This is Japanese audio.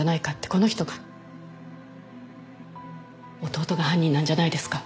この人が弟が犯人なんじゃないですか？